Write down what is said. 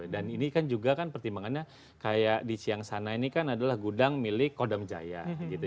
dan ini kan juga kan pertimbangannya kayak di ciyang sana ini kan adalah gudang milik kodam jaya gitu